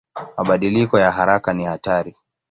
Mabadiliko ya haraka ni hatari.